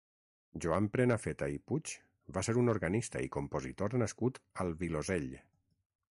Joan Prenafeta i Puig va ser un organista i compositor nascut al Vilosell.